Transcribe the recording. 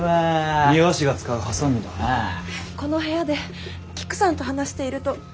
この部屋でキクさんと話しているといきなり。